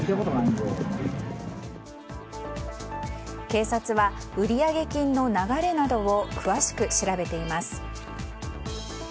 警察は、売上金の流れなどを詳しく調べています。